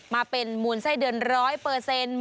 มาเป็นมูลไส้เดือนร้อยเปอร์เซ็นต์